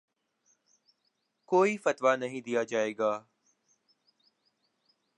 کوئی فتویٰ نہیں دیا جائے گا